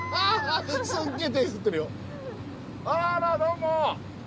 あらどうも。